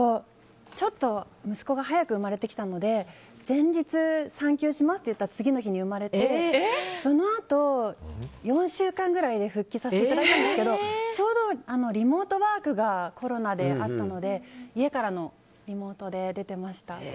ちょっと息子が早く生まれてきたので前日、産休しますと言った次の日に生まれてそのあと、４週間ぐらいで復帰させていただいたんですけどちょうどリモートワークがコロナであったので家からのリモートで出てました。